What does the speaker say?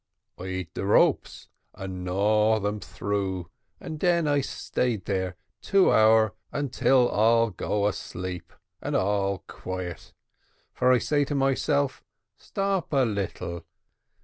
I eat de ropes and gnaw them through, and den I stay there two hour until all go asleep, and all quiet; for I say to myself, stop a little.